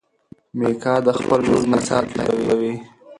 میکا د خپل ورور مثال تعقیبوي.